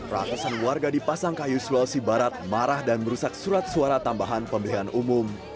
ratusan warga di pasangkayu sulawesi barat marah dan merusak surat suara tambahan pemilihan umum